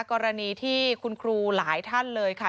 กรณีที่คุณครูหลายท่านเลยค่ะ